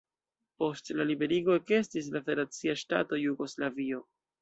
Post la liberigo ekestis la federacia ŝtato Jugoslavio.